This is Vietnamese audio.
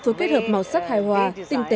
với các bạn